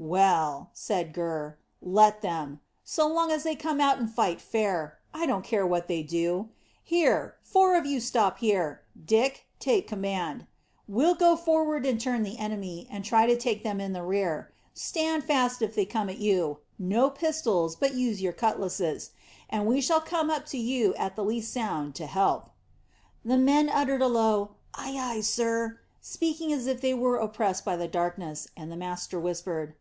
"Well," said Gurr, "let them. So long as they come out and fight fair, I don't care what they do. Here, four of you stop here; Dick, take command. We'll go forward and turn the enemy, and try to take them in the rear. Stand fast if they come at you; no pistols, but use your cutlasses. We shall come up to you at the least sound, to help." The men uttered a low, "Ay, ay, sir," speaking as if they were oppressed by the darkness, and the master whispered.